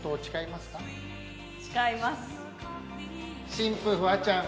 新婦フワちゃん。